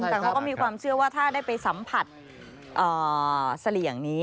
แต่เขาก็มีความเชื่อว่าถ้าได้ไปสัมผัสเสลี่ยงนี้